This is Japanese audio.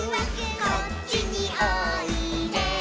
「こっちにおいで」